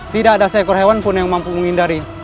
tidak ada seekor hewan pun yang mampu menghindari